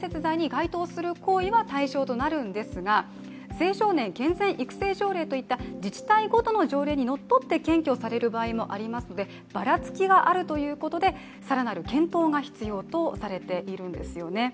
青少年健全育成条例といった自治体ごとの法令にのっとって検挙される場合もありますのでばらつきがあるということで更なる検討が必要とされているんですよね。